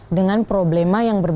ada juga yang mengalami hal yang sama